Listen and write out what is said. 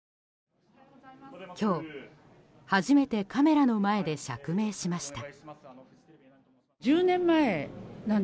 今日、初めてカメラの前で釈明しました。